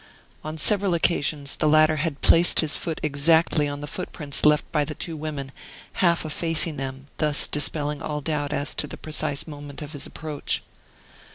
On several occasions the latter had placed his foot exactly on the footprints left by the two women, half effacing them, thus dispelling all doubt as to the precise moment of his approach.